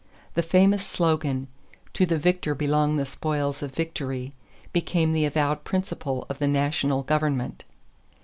The famous slogan, "to the victor belong the spoils of victory," became the avowed principle of the national government.